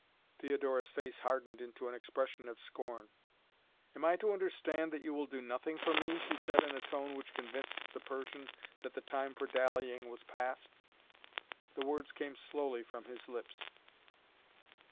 Theodora's face hardened into an expression of scorn. "Am I to understand that you will do nothing for me?" she said in a tone which convinced the Persian that the time for dallying was past. The words came slowly from his lips.